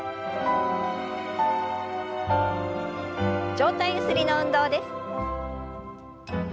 上体ゆすりの運動です。